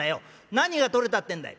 何が取れたってんだい？」。